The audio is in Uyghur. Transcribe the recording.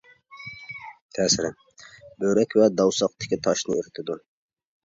تەسىرى : بۆرەك ۋە دوۋساقتىكى تاشنى ئېرىتىدۇ.